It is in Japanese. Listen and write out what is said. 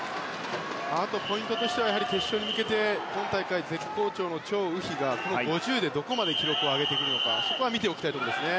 あとポイントとしては決勝に向けて、今大会絶好調のチョウ・ウヒがこの５０ｍでどこまで記録を上げるかそこは見ておきたいですね。